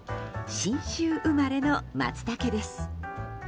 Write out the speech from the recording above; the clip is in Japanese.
信州生まれのマツタケです。